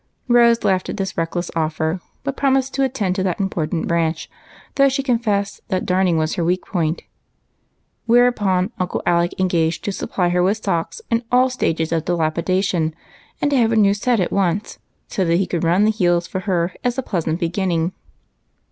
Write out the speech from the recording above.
Rose laughed at this reckless offer, but promised to attend to that important branch, though she con fessed that darning was her weak point. Whereupon Uncle Alec engaged to supply her with socks in all stages of dilapidation, and to have a new set at once, so that she could run the heels for him as a pleasant beginning.